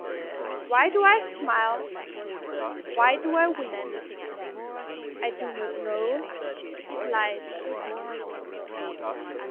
Why do I smile? Why do I weep? I do not know, it lies so deep.